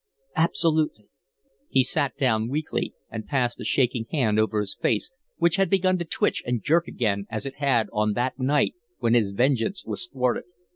"Absolutely." He sat down weakly and passed a shaking hand over his face, which had begun to twitch and jerk again as it had on that night when his vengeance was thwarted.